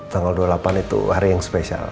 tanggal dua puluh delapan itu hari yang spesial